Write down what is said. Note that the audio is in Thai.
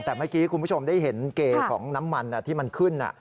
แต่เมื่อกี้คุณผู้ชมได้เห็นเกย์ของน้ำมันที่มันขึ้น